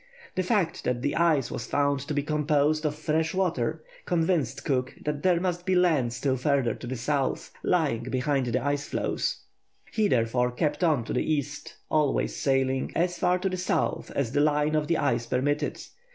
The fact that the ice was found to be composed of fresh water, convinced Cook that there must be land still further to the south, lying behind the ice floes. He, therefore, kept on to the east, always sailing as far to the south as the line of the ice permitted.